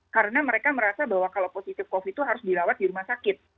karena mereka merasa bahwa kalau positif covid itu harus dirawat di rumah sakit